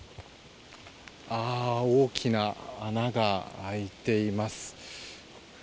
大きな穴が開いています。